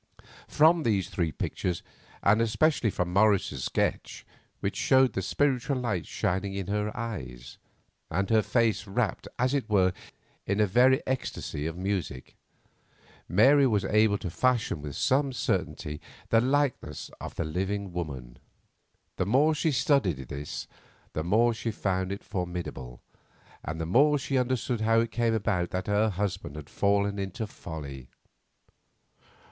From these three pictures, and especially from Morris's sketch, which showed the spiritual light shining in her eyes, and her face rapt, as it were, in a very ecstasy of music, Mary was able to fashion with some certainty the likeness of the living woman. The more she studied this the more she found it formidable, and the more she understood how it came about that her husband had fallen into folly.